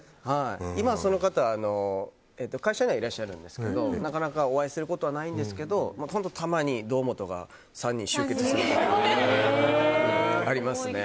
今、その方会社にはいらっしゃるんですけどなかなかお会いすることはないんですけど本当、たまに堂本が３人集結することがありますね。